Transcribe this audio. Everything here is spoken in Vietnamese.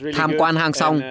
tham quan hang sông